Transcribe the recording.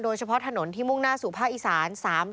โดยเฉพาะถนนที่มุ่งหน้าสู่ภาคอีสาน